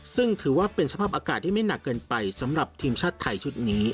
ซึ่งถือว่าเป็นสภาพอากาศที่ไม่หนักเกินไปสำหรับทีมชาติไทยชุดนี้